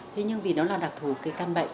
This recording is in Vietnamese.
thế nhưng vì nó là đặc thù cái căn bệnh